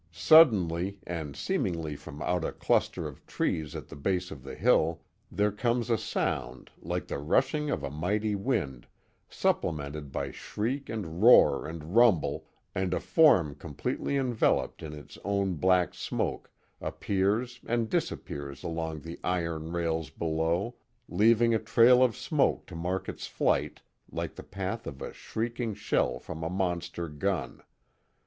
Suddenly, and seemingly from out a cluster of trees at the base of the hill, there comes a sound like the rushing of a mighty wind, supplemented by shriek and roar and luiiible, and a farm completely enveloped in its own black smoke, appears and disappears along the iron rails below, leaving a trail of smoke to mark its flight like the path of a shrieking sliell from a monster gun.